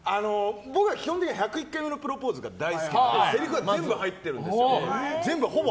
僕は基本的に「１０１回目のプロポーズ」が大好きで、せりふはほぼ全部入ってるんですけど。